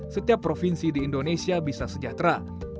setiap provinsi di indonesia bisa sejahtera